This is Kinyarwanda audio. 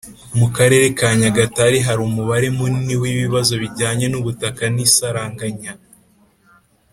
Mu Karere ka Nyagatare hari umubare munini w ibibazo bijyanye n ubutaka n isaranganya